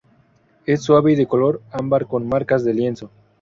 Es suave y de color ámbar con marcas de lienzo.